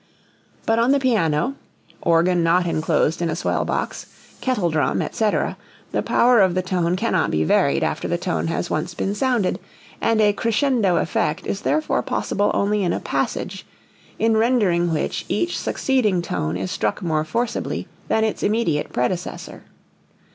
But on the piano, organ not enclosed in a swell box, kettle drum, etc., the power of the tone cannot be varied after the tone has once been sounded, and a crescendo effect is therefore possible only in a passage, in rendering which each succeeding tone is struck more forcibly than its immediate predecessor.